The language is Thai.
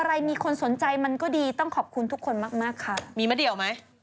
ขาพีช่วงหน้าสักครู่เดียว